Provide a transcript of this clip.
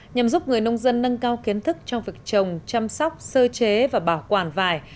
nhằm giúp người nông dân nâng cao kiến thức trong việc trồng chăm sóc sơ chế và bảo quản vải